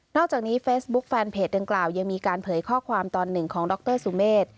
อกจากนี้เฟซบุ๊คแฟนเพจดังกล่าวยังมีการเผยข้อความตอนหนึ่งของดรสุเมฆ